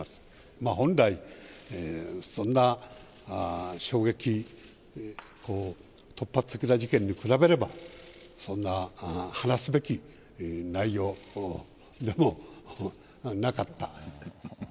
まあ本来、そんな衝撃、突発的な事件に比べれば、そんな、話すべき内容でもなかった。